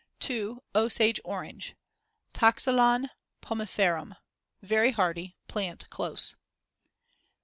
2. Osage orange (Toxylon pomiferum) Very hardy. Plant close.